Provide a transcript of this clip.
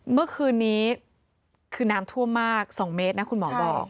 เมื่อคืนนี้คือน้ำท่วมมาก๒เมตรนะคุณหมอบอก